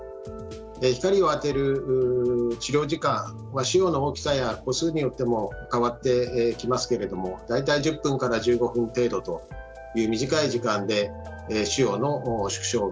光を当てる治療時間は腫瘍の大きさや個数によっても変わってきますけれども大体１０分から１５分程度という短い時間で腫瘍の縮小が見られると。